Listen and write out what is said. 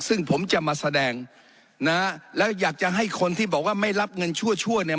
ซึ่งผมจะมาแสดงนะแล้วอยากจะให้คนที่บอกว่าไม่รับเงินชั่วชั่วเนี่ย